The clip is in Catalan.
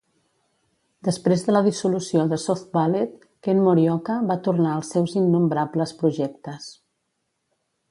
Després de la dissolució de Soft Ballet, Ken Morioka va tornar als seus innombrables projectes.